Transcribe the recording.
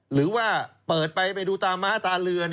หรือว่าเปิดไปไปดูตาม้าตาเรือ